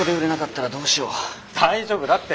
大丈夫だって！